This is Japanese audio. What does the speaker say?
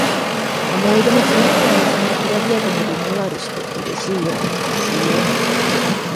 思い出のつまったお店がきらびやかにリニューアルしてうれしいような悲しいような